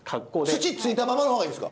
土ついたままの方がいいですか？